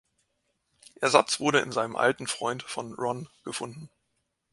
Ersatz wurde in einem alten Freund von Ron gefunden.